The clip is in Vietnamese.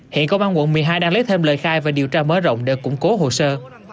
hiện công an quận một mươi hai đang lấy thêm lời khai và điều tra mở rộng để củng cố hồ sơ